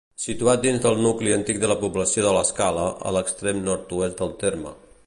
Situat dins del nucli antic de la població de l'Escala, a l'extrem nord-oest del terme.